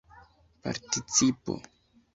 participo